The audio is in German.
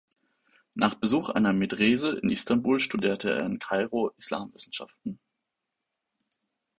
Nach Besuch einer Medrese in Istanbul studierte er in Kairo Islamwissenschaften.